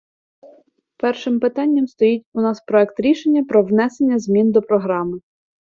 Першим питанням стоїть у нас проект рішення "Про внесення змін до Програми...